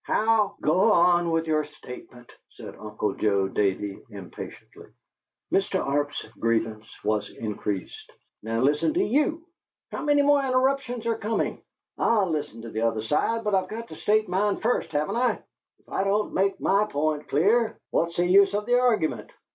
How " "Go on with your statement," said Uncle Joe Davey, impatiently. Mr. Arp's grievance was increased. "Now listen to YOU! How many more interruptions are comin'? I'll listen to the other side, but I've got to state mine first, haven't I? If I don't make my point clear, what's the use of the argument?